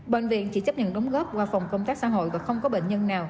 bệnh viện chỉ chấp nhận đóng góp qua phòng công tác xã hội và không có bệnh nhân nào